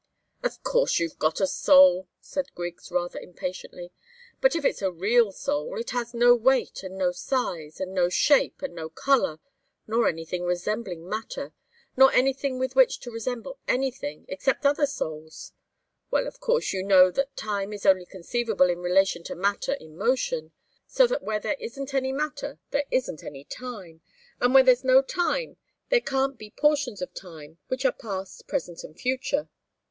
"Of course you've got a soul," said Griggs, rather impatiently. "But if it's a real soul, it has no weight and no size, and no shape and no colour, nor anything resembling matter nor anything with which to resemble anything, except other souls. Well, of course you know that time is only conceivable in relation to matter in motion, so that where there isn't any matter, there isn't any time. And where there's no time there can't be portions of time, which are past, present, and future.